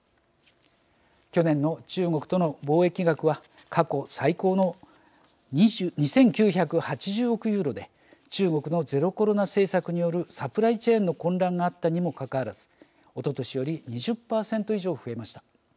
去年の中国との貿易額は過去最高の２９８０億ユーロで中国のゼロコロナ政策によるサプライチェーンの混乱があったにもかかわらずおととしより２０％以上、増えました。